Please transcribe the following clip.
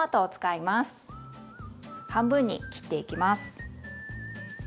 半分に切っていきます。